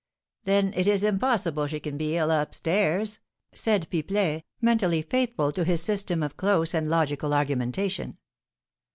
Then it is impossible she can be ill up stairs," said Pipelet, mentally, faithful to his system of close and logical argumentation.